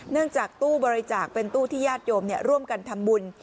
เนื่องจากตู้บริจาคเป็นตู้ที่ญาติโยมเนี่ยร่วมกันทำบุญ